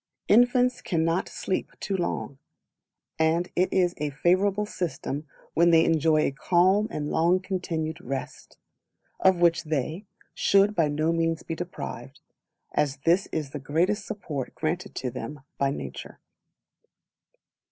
Infants cannot Sleep too Long; and it is a favourable symptom when they enjoy a calm and long continued rest, of which they, should by no means be deprived, as this is the greatest support granted to them by by nature.